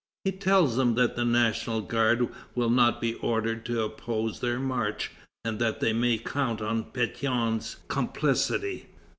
He tells them that the National Guard will not be ordered to oppose their march, and that they may count on Pétion's complicity.